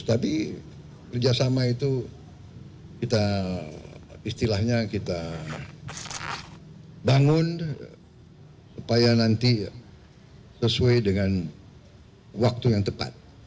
tapi kerjasama itu kita istilahnya kita bangun supaya nanti sesuai dengan waktu yang tepat